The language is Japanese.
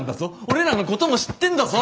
俺らのことも知ってんだぞ？